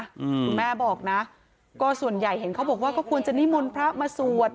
คุณแม่บอกนะก็ส่วนใหญ่เห็นเขาบอกว่าก็ควรจะนิมนต์พระมาสวด